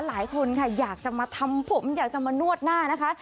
หลายคนค่ะอยากจะมาทำผมอยากจะมานวดหน้านะคะ